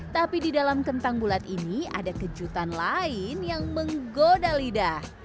tapi di dalam kentang bulat ini ada kejutan lain yang menggoda lidah